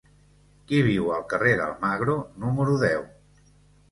Qui viu al carrer d'Almagro número deu?